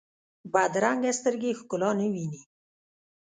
بدرنګه سترګې ښکلا نه ویني